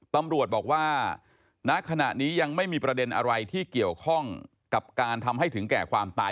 ตำรวจบอกว่าณขณะนี้ยังไม่มีประเด็นอะไรที่เกี่ยวข้องกับการทำให้ถึงแก่ความตาย